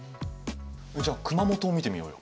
じゃあ熊本を見てみようよ。